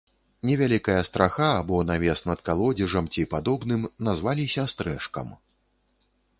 Невялікая страха або навес над калодзежам ці падобным назваліся стрэшкам.